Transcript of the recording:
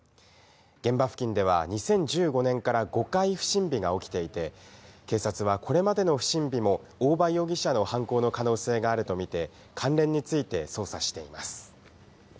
現場付近では、２０１５年から５回、不審火が起きていて、警察はこれまでの不審火も大場容疑者の犯行の可能性があると見て、関連について捜査しています。